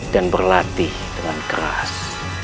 dan berlatih dengan keras